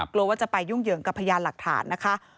กลัวว่าจะไปยุ่งเหยิงกับพยานหลักฐานนะคะ